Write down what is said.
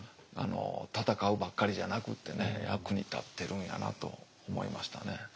戦うばっかりじゃなくてね役に立ってるんやなと思いましたね。